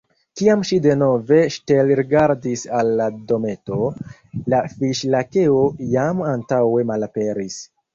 Kiam ŝi denove ŝtelrigardis al la dometo, la Fiŝ-Lakeo jam antaŭe malaperis.